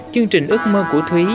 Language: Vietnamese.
chương trình ước mơ của thúy